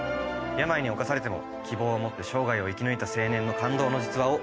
病に侵されても希望を持って生涯を生き抜いた青年の感動の実話を。